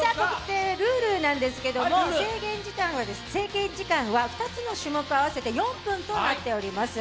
ルールなんですけれども制限時間は２つの種目合わせて４分となっております。